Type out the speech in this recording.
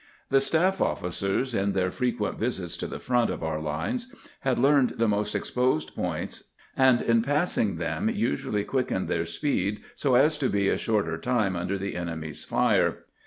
4 The staff officers, in their frequent visits to the front of our lines, had learned the most exposed points, and in passing them usually quickened their speed so as to be a shorter time under the enemy's fire.